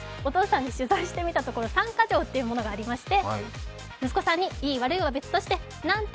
お父さんに取材してみたところ３カ条というのがあるそうで。